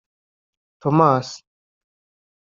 Tomasi